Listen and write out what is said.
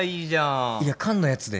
いや缶のやつで。